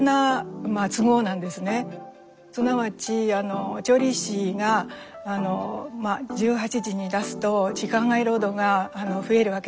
すなわち調理師が１８時に出すと時間外労働が増えるわけです。